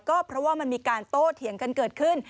ก็เพราะว่ามันมีการโต้เถียงกันเกิดขึ้น